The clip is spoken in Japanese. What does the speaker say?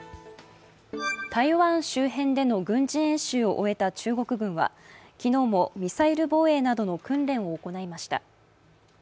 台湾周辺での軍事演習を終えた中国軍は昨日もミサイル防衛などの訓練を行いました。